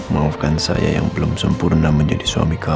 maafkan saya yang belum sempurna menjadi suami kami